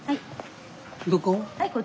どこ？